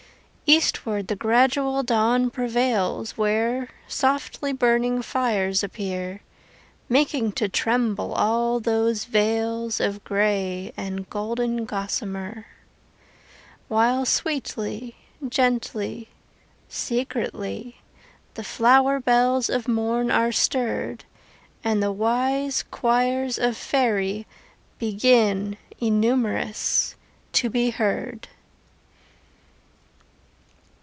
Eastward the gradual dawn prevails Where softly burning fires appear, Making to tremble all those veils Of grey and golden gossamer. While sweetly, gently, secretly, The flowery bells of morn are stirred And the wise choirs of faery Begin (innumerous!) to be heard.